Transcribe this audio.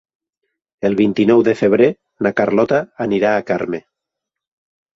El vint-i-nou de febrer na Carlota anirà a Carme.